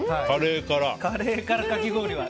カレーからかき氷は。